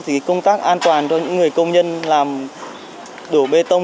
thì công tác an toàn cho những người công nhân làm đổ bê tông